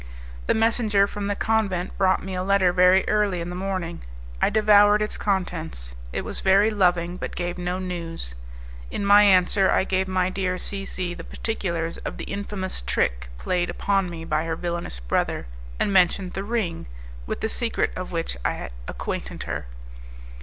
The messenger from the convent brought me a letter very early in the morning; I devoured its contents; it was very loving, but gave no news. In my answer I gave my dear C C the particulars of the infamous trick played upon me by her villainous brother, and mentioned the ring, with the secret of which I acquainted her.